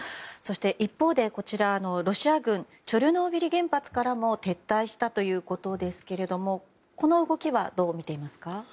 一方でロシア軍チョルノービリ原発からも撤退したということですけれどもこの動きはどう見ていますか。